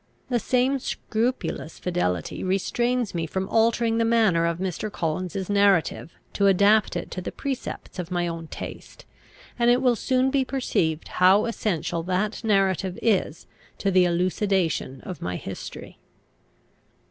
The same scrupulous fidelity restrains me from altering the manner of Mr. Collins's narrative to adapt it to the precepts of my own taste; and it will soon be perceived how essential that narrative is to the elucidation of my history.